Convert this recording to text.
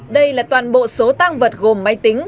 đây là toàn bộ số tăng vật gồm máy tính